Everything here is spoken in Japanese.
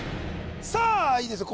さあいいですよ